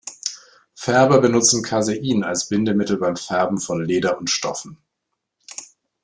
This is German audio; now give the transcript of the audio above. Färber benutzten Casein als Bindemittel beim Färben von Leder und Stoffen.